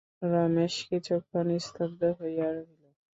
রমেশ কিছুক্ষণ স্তব্ধ হইয়া রহিল।